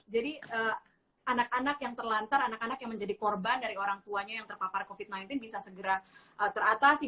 jadi anak anak yang terlantar anak anak yang menjadi korban dari orang tuanya yang terpapar covid sembilan belas bisa segera teratasi